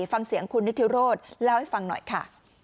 ฟังเสียงคุณนิทิโรธเล่าให้ฟังหน่อยค่ะ